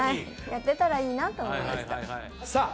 やってたらいいなと思いましたさあ